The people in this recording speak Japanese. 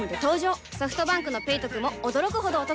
ソフトバンクの「ペイトク」も驚くほどおトク